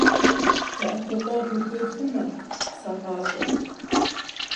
ДэӀэпыкъуэгъу ухуей хъумэ, сыгъащӏэ.